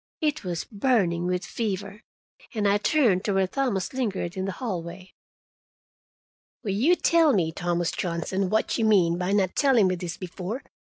It was burning with fever, and I turned to where Thomas lingered in the hallway. "Will you tell me what you mean, Thomas Johnson, by not telling me this before?"